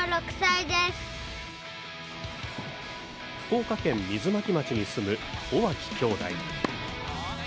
福岡県水巻町に住む尾脇兄弟。